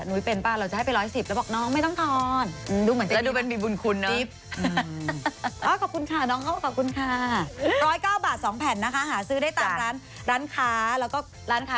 นุ้ยเป็นป่ะเราจะให้ไป๑๑๐บาท